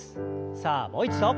さあもう一度。